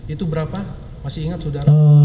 itu berapa masih ingat sudah